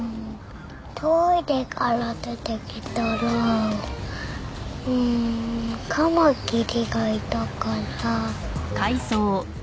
トイレから出てきたらうーんカマキリがいたから。